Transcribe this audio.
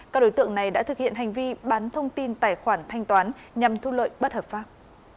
các đối tượng này đã thực hiện hành vi bán thông tin tài khoản thanh toán nhằm thu lợi bất hợp pháp